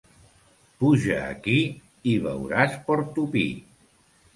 Puja aquí i veuràs Porto Pi.